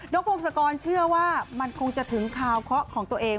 นกพงศกรเชื่อว่ามันคงจะถึงข่าวของตัวเอง